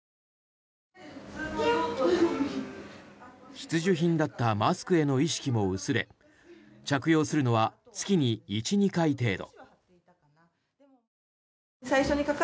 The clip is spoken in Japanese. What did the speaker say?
必需品だったマスクへの意識も薄れ着用するのは月に１２回程度。